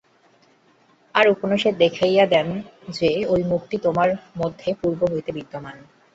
আর উপনিষদ দেখাইয়া দেন যে, ঐ মুক্তি তোমার মধ্যে পূর্ব হইতেই বিদ্যমান।